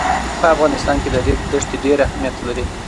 په افغانستان کې د ریګ دښتې ډېر اهمیت لري.